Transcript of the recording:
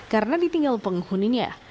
karena ditinggal penghuninya